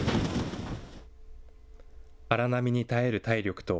荒波に耐える体力と、